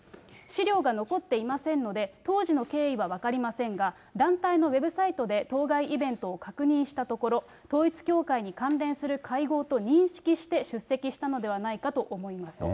資料が残っていませんので、当時の経緯は分かりませんが、団体のウェブサイトで当該イベントを確認したところ、統一教会に関連する会合と認識して出席したのではないかと思いますと。